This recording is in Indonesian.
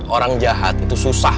orang jahat itu susah